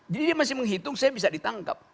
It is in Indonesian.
jadi dia masih menghitung saya bisa ditangkap